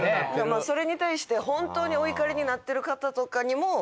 それに対して本当にお怒りになってる方とかにも。